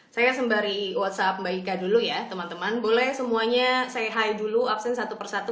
saya sembari whatsapp mbak ika dulu ya teman teman boleh semuanya saya high dulu absen satu persatu